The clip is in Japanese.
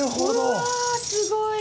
すごい！